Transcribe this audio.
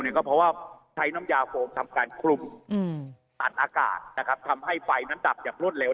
ก็เพราะว่าใช้น้ำยาโฟมทำการคลุมตัดอากาศทำให้ไฟนั้นดับอย่างรวดเร็